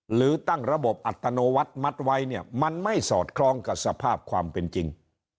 หรือตั้งระบบอัตโนมัติมัดไว้เนี่ยมันไม่สอดคล้องกับสภาพความเป็นจริง